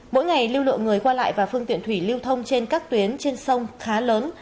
mỗi ngày lưu lượng người qua lại và phương tiện thủy lưu thông trên các tuyến trên sông khá lớn